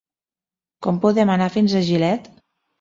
Com podem anar fins a Gilet?